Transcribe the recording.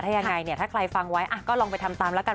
ถ้ายังไงเนี่ยถ้าใครฟังไว้ก็ลองไปทำตามแล้วกัน